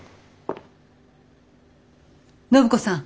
暢子さん。